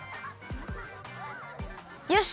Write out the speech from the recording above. よし！